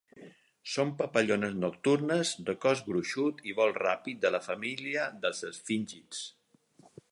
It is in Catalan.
Són papallones nocturnes de cos gruixut i vol ràpid de la família dels esfíngids.